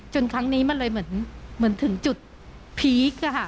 ครั้งนี้มันเลยเหมือนถึงจุดพีค